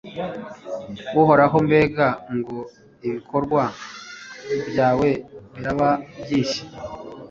Uhoraho mbega ngo ibikorwa byawe biraba byinshi